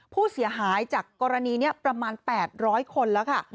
ผู้เสียหายจากกรณีนี้ประมาณ๘๐๐คนแล้วค่ะ